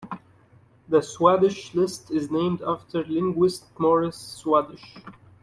The Swadesh list is named after linguist Morris Swadesh.